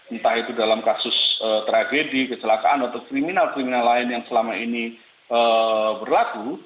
entah itu dalam kasus tragedi kecelakaan atau kriminal kriminal lain yang selama ini berlaku